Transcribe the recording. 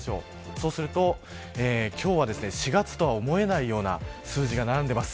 そうすると今日は４月とは思えないような数字が並んでいます。